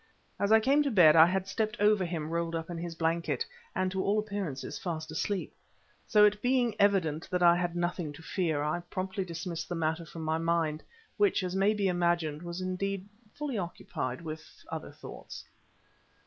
As I came to bed I had stepped over him rolled up in his blanket, and to all appearances fast asleep. So it being evident that I had nothing to fear, I promptly dismissed the matter from my mind, which, as may be imagined, was indeed fully occupied with other thoughts.